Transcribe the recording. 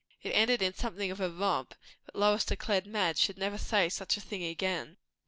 It ended in something of a romp, but Lois declared Madge should never say such a thing again.